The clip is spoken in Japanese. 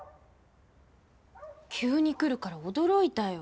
急に来るから驚いたよ。